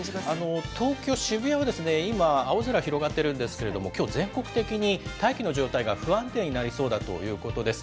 東京・渋谷は今、青空広がってるんですけれども、きょう、全国的に大気の状態が不安定になりそうだということです。